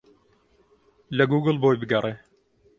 لە گووگڵ بۆی بگەڕێ.